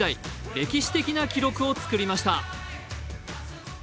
歴史的な記録を作りました。